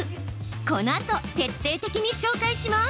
このあと、徹底的に紹介します。